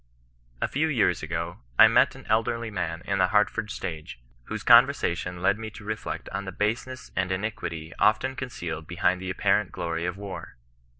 A few years ago, I met an elderly man in the Hartford stage, whose conversation led me to reflect on the base ness and iniquity often concealed behind the apparent glory of war.